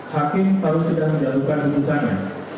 hakim lalu sudah menjalankan keputusannya